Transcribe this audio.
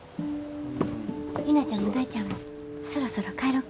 陽菜ちゃんも大ちゃんもそろそろ帰ろか。